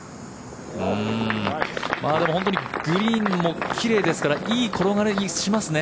でもグリーンも奇麗ですからいい転がりしますね。